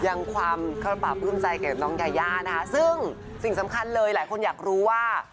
ยังความกระปราบปลื้มใจกับน้องยายานะคะซึ่งสิ่งสำคัญเลยหลายคนอยากรู้ว่า